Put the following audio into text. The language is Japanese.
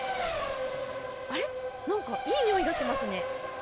あれ、なんかいい匂いがしますね。